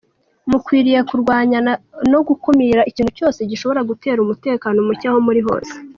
Mukwiriye kurwanya no gukumira ikintu cyose gishobora gutera umutekano muke aho muri hose."